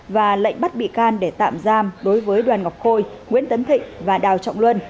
và lệnh bắt bị can để tạm giam đối với đoàn ngọc khôi nguyễn tấn thịnh và đào trọng luân